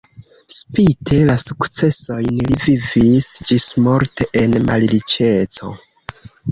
Spite la sukcesojn li vivis ĝismorte en malriĉeco.